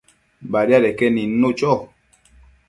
Badiadeque nidnu cho